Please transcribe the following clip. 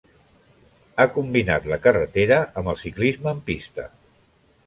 Ha combinat la carretera amb el ciclisme en pista.